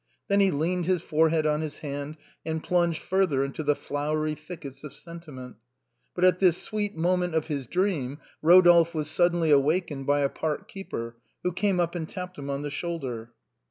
Then he leaned his forehead on his hand and plunged further into the flowery thickets of sentiment. But at this sweet moment of his dream Rodolphe was suddenly awakened by a park keeper, who came up and tapped him on the shoulder.